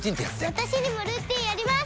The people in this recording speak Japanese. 私にもルーティンあります！